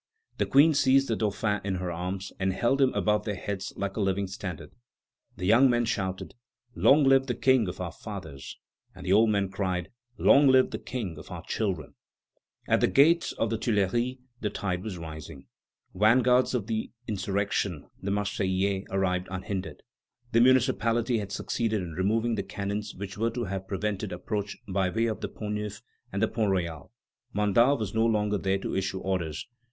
The Queen seized the Dauphin in her arms and held him above their heads like a living standard. The young men shouted: "Long live the Kings of our fathers!" And the old men cried: "Long live the King of our children!" At the gates of the Tuileries the tide was rising. Vanguards of the insurrection, the Marseillais arrived unhindered. The municipality had succeeded in removing the cannons which were to have prevented approach by way of the Pont Neuf and the Pont Royal. Mandat was no longer there to issue orders.